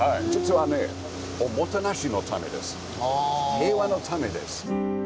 平和のためです。